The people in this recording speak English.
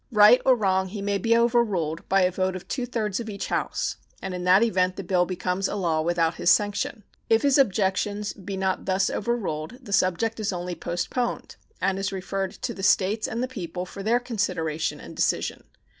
Right or wrong, he may be overruled by a vote of two thirds of each House, and in that event the bill becomes a law without his sanction. If his objections be not thus overruled, the subject is only postponed, and is referred to the States and the people for their consideration and decision.